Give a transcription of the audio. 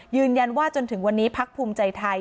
ยืนยันว่าจนถึงวันนี้พลักษณ์ภูมิใจไทย